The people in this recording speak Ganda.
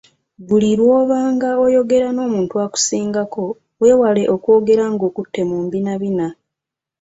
Buli lw’obanga oyogera n’omuntu akusingako weewale okwogera nga okutte mu mbinabina.